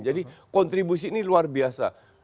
jadi kontribusi ini luar biasa